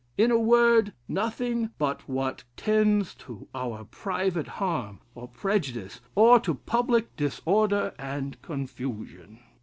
In a word, nothing but what tends to our private harm, or prejudice, or to public disorder and confusion.'